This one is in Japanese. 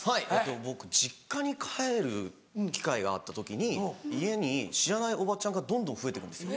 僕実家に帰る機会があった時に家に知らないおばちゃんがどんどん増えて行くんですよ。